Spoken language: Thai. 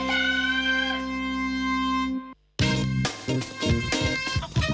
ไม่ไปฮ่องกงอ่ะ